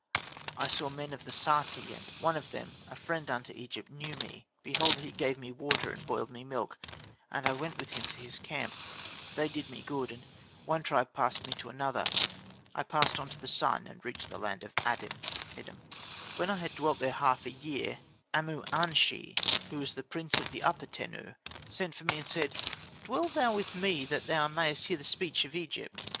I saw men of the Sati, and one of them a friend unto Egypt knew me. Behold he gave me water and boiled me milk, and I went with him to his camp; they did me good, and one tribe passed me on to another. I passed on to Sun, and reached the land of Adim (Edom). When I had dwelt there half a year Amu an shi who is the prince of the Upper Tenu sent for me and said: "Dwell thou with me that thou mayest hear the speech of Egypt."